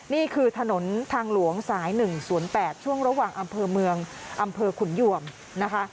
นี่คือถนนทางหลวงสาย๑๐๘ช่วงระหว่างอำเภอเมืองอำเภอขุนยวมนะคะ